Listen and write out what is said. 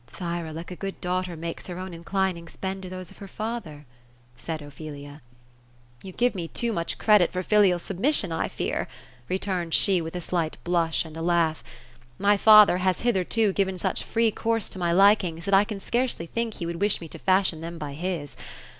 '* ^'Thyra, like a good daughter, makes her own inclinings bend to those of her father ;'' said Ophelia. *^ You give me too much credit for filial submission, I fear ;" re turned she, with a slight blush and a laugh. My father has hitherto given such free course to my likings, that I can scarcely think he would wish me to fashion them by his.